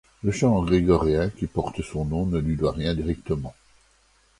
Le chant grégorien qui porte son nom ne lui doit rien directement.